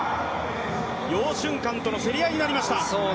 楊俊瀚との競り合いになりました。